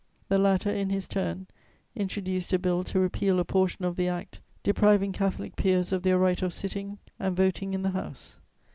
The latter, in his turn, introduced a Bill to repeal a portion of the Act depriving Catholic peers of their right of sitting and voting in the House.